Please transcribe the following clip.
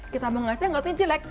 kita mau ngasih nggak penting jelek